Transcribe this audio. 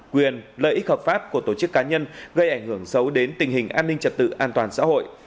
quyền lợi ích hợp pháp của tổ chức cá nhân gây ảnh hưởng xấu đến tình hình an ninh trật tự an toàn xã hội